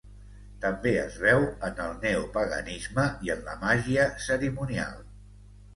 També es veu en el neopaganisme i en la màgia cerimonial.